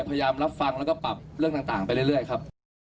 พยายามรับฟังแล้วก็ปรับเรื่องต่างไปเรื่อยครับ